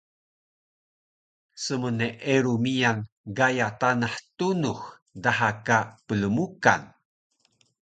smneeru miyan gaya Tanah Tunux daha ka Plmukan